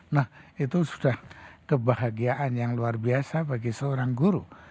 nah itu sudah kebahagiaan yang luar biasa bagi seorang guru